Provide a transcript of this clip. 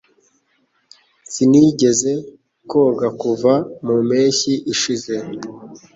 Sinigeze koga kuva mu mpeshyi ishize